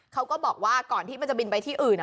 เขาก็บอกว่าก่อนที่มันจะบินไปที่อื่น